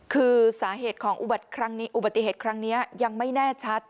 คือสาเหตุของอุบัติเหตุครั้งนี้ยังไม่แน่ชัด